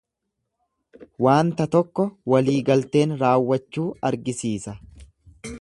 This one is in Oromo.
Waanta tokko walii galteen raawwachuu argisiisa.